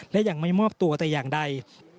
และยังไม่มอบตัวแต่อย่างใด